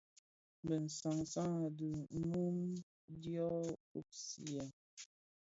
Bi san san a di mum dyō kpusiya.